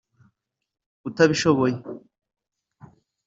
utabishoboye